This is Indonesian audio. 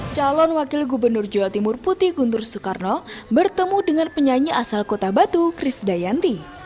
calon wakil gubernur jawa timur putih guntur soekarno bertemu dengan penyanyi asal kota batu kris dayanti